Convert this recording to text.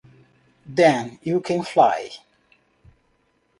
Then, you can fly...!